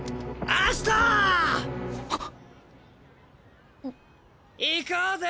あっ！